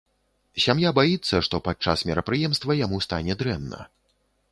Сям'я баіцца, што падчас мерапрыемства яму стане дрэнна.